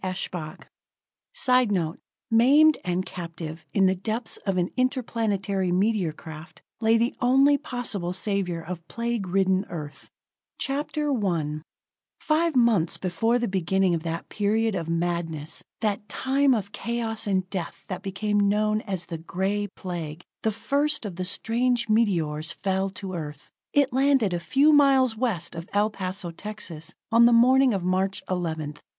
Eshbach_ [Sidenote: Maimed and captive, in the depths of an interplanetary meteor craft, lay the only possible savior of plague ridden Earth.] [Illustration: They were almost upon him when he leaped into action.] CHAPTER I Five months before the beginning of that period of madness, that time of chaos and death that became known as the Gray Plague, the first of the strange meteors fell to Earth. It landed a few miles west of El Paso, Texas, on the morning of March 11th.